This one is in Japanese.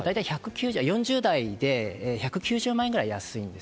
４０代で１９０万円ぐらい安いんです。